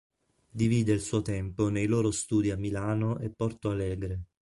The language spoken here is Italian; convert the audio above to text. Divide il suo tempo nei loro studi a Milano e Porto Alegre.